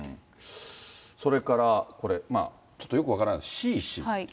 それからこれ、ちょっとよく分からない、Ｃ氏っていう。